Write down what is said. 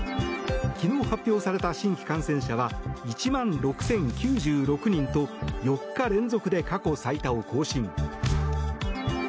昨日発表された新規感染者は１万６０９６人と４日連続で過去最多を更新。